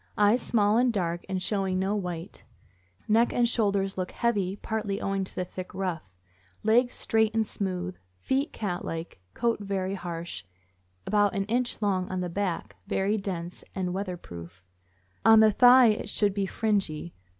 Eyes small and dark, and showing no white. Neck and shoulders look heavy, partly owing to the thick ruff; legs straight and smooth; feet cat like; coat very harsh, about an inch long on the back, very dense, and weather THE SCHIPPERKE. 669 proof; 011 the thigh it should be fringy.